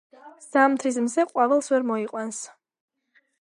ზამთრის მზე ყვავილს ვერ მოიყვანს.